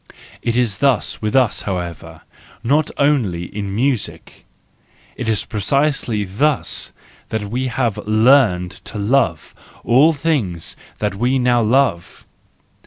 —It is thus with us, however, not only in music : it is precisely thus that we have learned to love all things that we now love.